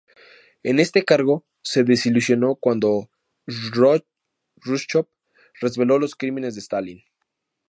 En este cargo, se desilusionó cuando Jruschov reveló los crímenes de Stalin.